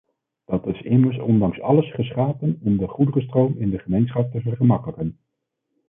Dat is immers ondanks alles geschapen om de goederenstroom in de gemeenschap te vergemakkelijken.